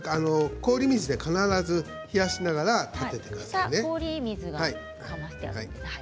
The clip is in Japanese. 氷水で冷やしながら泡立ててくださいね。